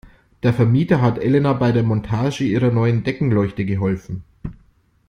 Der Vermieter hat Elena bei der Montage ihrer neuen Deckenleuchte geholfen.